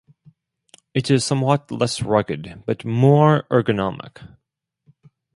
It is somewhat less rugged, but more ergonomic.